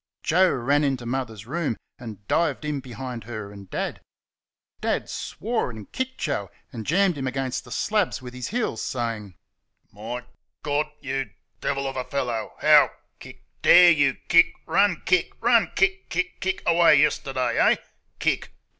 Joe ran into Mother's room and dived in behind her and Dad. Dad swore, and kicked Joe and jammed him against the slabs with his heels, saying: "My GAWD! You DEVIL of a feller, how (KICK) dare you (KICK) run (KICK) run (KICK, KICK, KICK) away yesterday, eh?" (KICK).